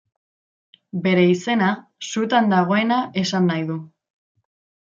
Bere izena sutan dagoena esanahi du.